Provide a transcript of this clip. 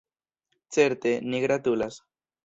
Certe, ni gratulas.